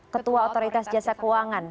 ketua otoritas jasa keuangan